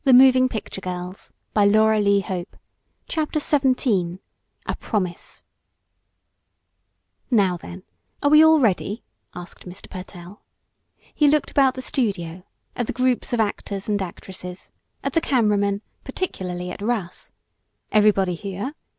"'Moving picture girls'; eh? Well, I suppose we are." CHAPTER XVII A PROMISE "Now then, are we all ready?" asked Mr. Pertell. He looked about the studio, at the groups of actors and actresses, at the camera men particularly at Russ. "Everybody here?"